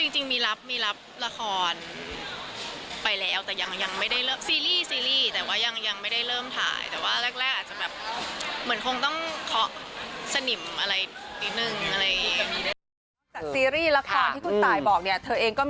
จริงมีลับมีลับละครไปแล้วแต่ยังไม่ได้เริ่ม